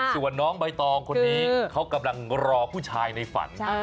ส่วนน้องใบตองคนนี้เขากำลังรอผู้ชายในฝัน